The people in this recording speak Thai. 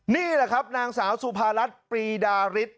นี่แหละครับนางสาวสุภารัฐปรีดาริส